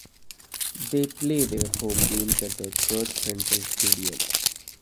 They play their home games at the Curt Frenzel Stadion.